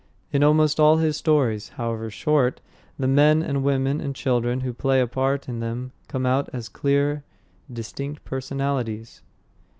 In almost all his stories, however short, the men and women and children who play a part in them come out as clear, distinct personalities.